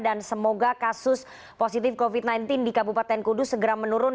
dan semoga kasus positif covid sembilan belas di kabupaten kudus segera menurun